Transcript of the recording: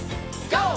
ＧＯ！